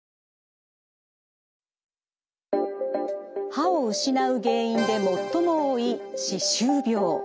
歯を失う原因で最も多い歯周病。